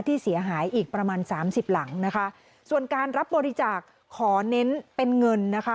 ที่เสียหายอีกประมาณสามสิบหลังนะคะส่วนการรับบริจาคขอเน้นเป็นเงินนะคะ